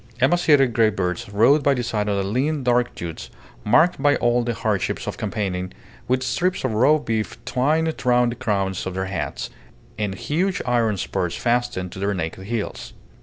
Emaciated greybeards rode by the side of lean dark youths, marked by all the hardships of campaigning, with strips of raw beef twined round the crowns of their hats, and huge iron spurs fastened to their naked heels.